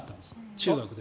中学校で。